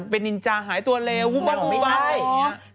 เป็นนินจาหายตัวเลววุบับอย่างนี้